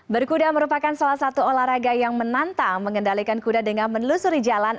berkuda merupakan salah satu olahraga yang menantang mengendalikan kuda dengan menelusuri jalan